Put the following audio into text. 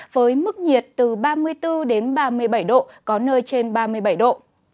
với mức nhiệt từ ba mươi bốn đến ba mươi bảy độ có nơi trên ba mươi bảy độ